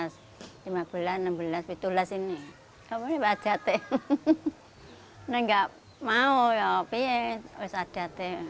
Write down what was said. saya tidak mau tapi saya ingin menjadikannya